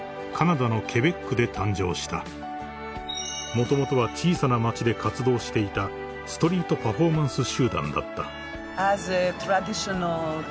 ［もともとは小さな町で活動していたストリート・パフォーマンス集団だった］